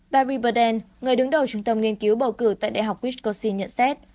barry burden người đứng đầu trung tâm nghiên cứu bầu cử tại đại học wisconsin nhận xét